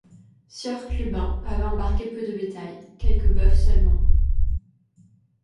Sieur Clubin avait embarqué peu de bétail ; quelques bœufs seulement.